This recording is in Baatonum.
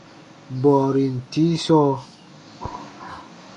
Bɔɔrin tii sɔɔ.